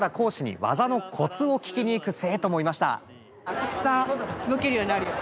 たくさん動けるようになるよ。